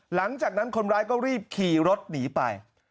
หลังจากนั้นคนร้ายก็รีบขี่รถหนีไป